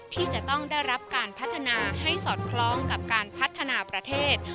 ที่จะต้องได้รับการพัฒนาให้สอดคล้องกับการพัฒนาประเทศ